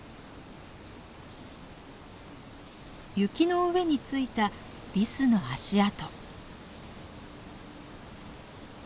雪の上についたリスの足跡。